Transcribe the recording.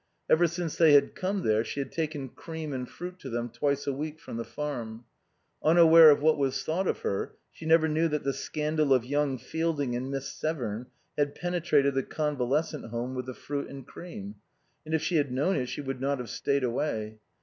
Ever since they had come there she had taken cream and fruit to them twice a week from the Farm. Unaware of what was thought of her, she never knew that the scandal of young Fielding and Miss Severn had penetrated the Convalescent Home with the fruit and cream. And if she had known it she would not have stayed away.